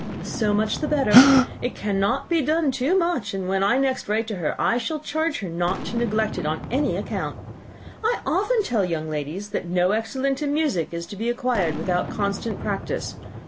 "So much the better. It cannot be done too much; and when I next write to her, I shall charge her not to neglect it on any account. I often tell young ladies, that no excellence in music is to be acquired without constant practice.